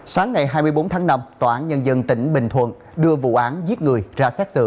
sáng ngày hai mươi bốn tháng năm tòa án nhân dân tỉnh bình thuận đưa vụ án giết người ra xét xử